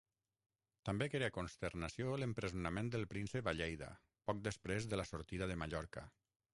També crea consternació l’empresonament del Príncep a Lleida poc després de la sortida de Mallorca.